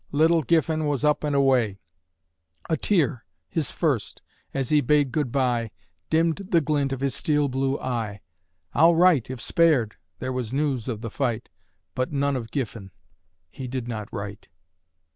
Little Giffen was up and away; A tear his first as he bade good bye, Dimmed the glint of his steel blue eye. "I'll write, if spared!" There was news of the fight; But none of Giffen. He did not write.